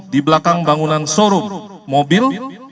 di belakang bangunan sorup mobil